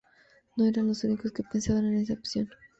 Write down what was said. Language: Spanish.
No eran los únicos que pensaban en esa opción.